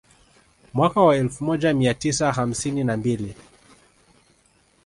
Mwaka wa elfu moja mia tisa hamsini na mbili